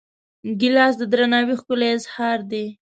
ګیلاس د درناوي ښکلی اظهار دی.